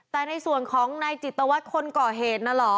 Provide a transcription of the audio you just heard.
แต่ในส่วนของนายจิตวัตรคนก่อเหตุน่ะเหรอ